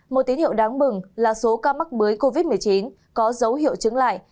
một tín hiệu đáng mừng là số ca mắc mới covid một mươi chín có dấu hiệu chứng lại